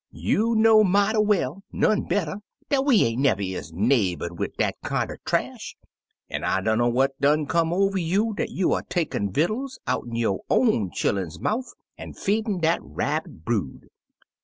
You know mighty well — none better — dat we ain't never is neigh bor'd wid dat kinder trash, an' I dunner what done come over you dat you er takin' vittles out'n yo' own chillun's mouf an' feedin' dat Rabbit brood.'